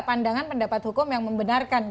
pandangan pendapat hukum yang membenarkan